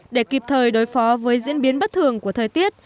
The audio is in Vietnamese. để kịp thời đối phó với diễn biến bất thường của thời tiết